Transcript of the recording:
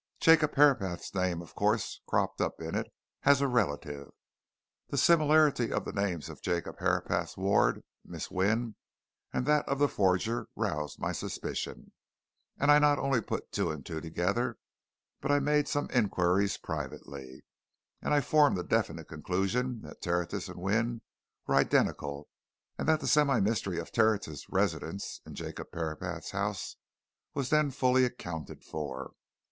Jacob Herapath's name, of course, cropped up in it, as a relative. The similarity of the names of Jacob Herapath's ward, Miss Wynne, and that of the forger, roused my suspicions, and I not only put two and two together, but I made some inquiries privately, and I formed the definite conclusion that Tertius and Wynne were identical, and that the semi mystery of Tertius's residence in Jacob Herapath's house was then fully accounted for.